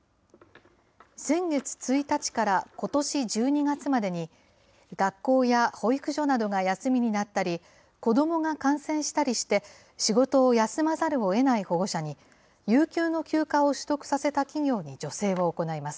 先月１日からことし１２月までに、学校や保育所などが休みになったり、子どもが感染したりして、仕事を休まざるをえない保護者に、有給の休暇を取得させた企業に助成を行います。